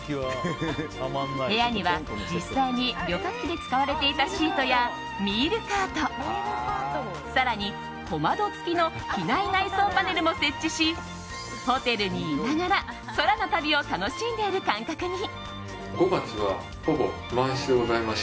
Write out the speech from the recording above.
部屋には、実際に旅客機で使われていたシートやミールカート、更に小窓付きの機内内装パネルも設置しホテルにいながら空の旅を楽しんでいる感覚に。